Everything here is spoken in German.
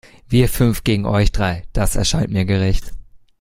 Wir fünf gegen euch drei, das erscheint mir gerecht.